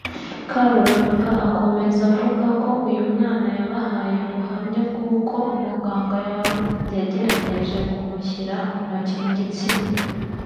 Karuranga akomeza avuga ko uyu mwana yabahaye ubuhamya bw’uko umuganga yagerageje kumushyira intoki mu gitsina